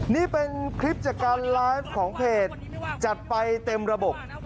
นี่เป็นคลิปจากการไลฟ์ของเพจจัดไปเต็มระบบ